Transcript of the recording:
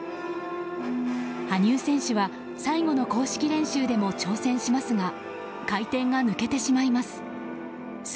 羽生選手は最後の公式練習でも挑戦しますが回転が抜けてしまいます。